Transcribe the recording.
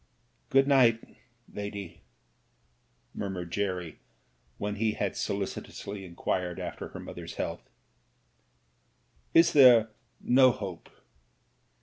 "Good night, lady," murmured Jerry, when he had solicitously inquired after her mother's health. "Is there no hope